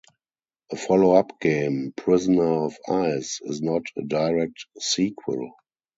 A follow-up game, "Prisoner of Ice", is not a direct sequel.